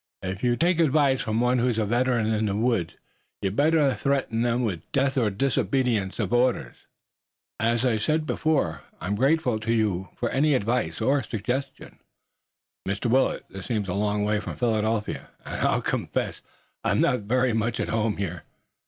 If you'll take advice from one who's a veteran in the woods, you'd better threaten them with death for disobedience of orders." "As I said before, I'm grateful to you for any advice or suggestion, Mr. Willet. This seems a long way from Philadelphia, and I'll confess I'm not so very much at home here."